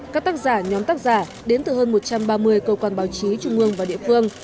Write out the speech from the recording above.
các tác giả nhóm tác giả đến từ hơn một trăm ba mươi cơ quan báo chí trung mương và địa phương